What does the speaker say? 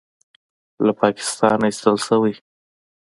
له پاکستانه ایستل شوی